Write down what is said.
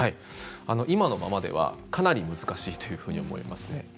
今のままでは、かなり難しいというふうに思いますね。